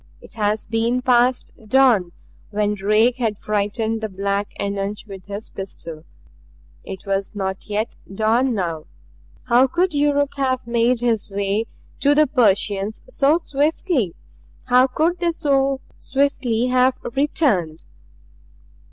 It had been past dawn when Drake had frightened the black eunuch with his pistol. It was not yet dawn now. How could Yuruk have made his way to the Persians so swiftly how could they so swiftly have returned?